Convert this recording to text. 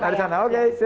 masih tengah ngelus